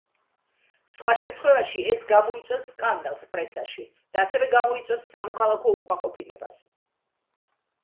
სხვა შემთხვევაში ეს გამოიწვევს სკანდალს პრესაში და ასევე გამოიწვევს სამოქალაქო უკმაყოფილებას.